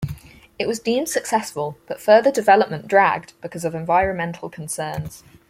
It was deemed successful, but further development dragged because of environmental concerns.